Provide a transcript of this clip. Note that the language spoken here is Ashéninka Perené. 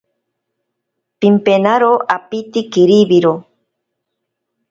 Pimpenaro apite kiribiro.